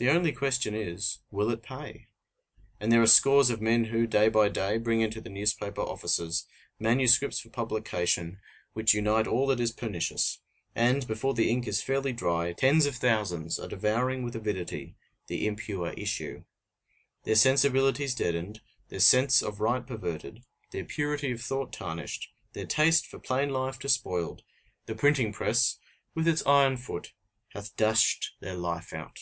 The only question is: "Will it pay?" And there are scores of men who, day by day, bring into the newspaper offices manuscripts for publication which unite all that is pernicious; and, before the ink is fairly dry, tens of thousands are devouring with avidity the impure issue. Their sensibilities deadened, their sense of right perverted, their purity of thought tarnished, their taste for plain life despoiled the printing press, with its iron foot, hath dashed their life out!